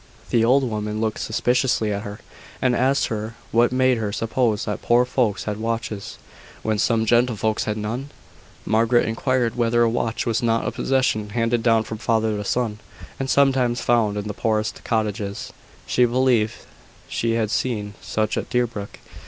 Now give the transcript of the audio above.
The old woman looked suspiciously at her, and asked her what made her suppose that poor folks had watches, when some gentlefolks had none? Margaret inquired whether a watch was not a possession handed down from father to son, and sometimes found in the poorest cottages. She believed she had seen such at Deerbrook.